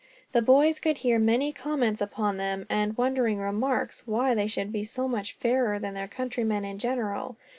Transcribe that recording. The boys could hear many comments upon them, and wondering remarks why they should be so much fairer than their countrymen in general.